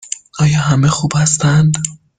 آیا همه خوب هستند؟